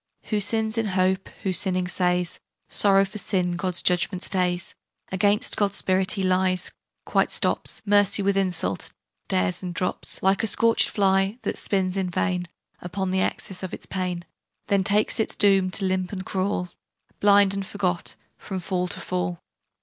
"Who sins in hope, who, sinning, says, 'Sorrow for sin God's judgement stays!' Against God's Spirit he lies; quite stops Mercy with insult; dares, and drops, Like a scorch'd fly, that spins in vain Upon the axis of its pain, Then takes its doom, to limp and crawl, Blind and forgot, from fall to fall."